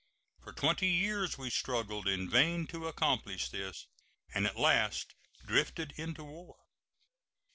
For twenty years we struggled in vain to accomplish this, and at last drifted into war.